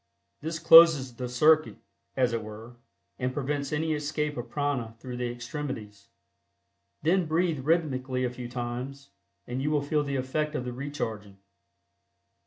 This closes the circuit, as it were, and prevents any escape of prana through the extremities. Then breathe rhythmically a few times, and you will feel the effect of the recharging.